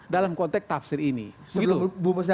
dalam konteks tafsir ini sebelum bu musa